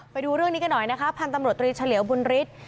ไปดูเรื่องนี้กันหน่อยนะคะพันธุ์ตำรวจตรีเฉลี่ยวบุญฤทธิ์